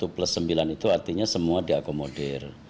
satu plus sembilan itu artinya semua diakomodir